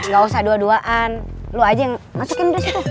gak usah dua duaan lo aja yang masukin dari situ